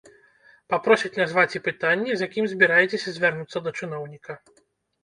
Папросяць назваць і пытанне, з якім збіраецеся звярнуцца да чыноўніка.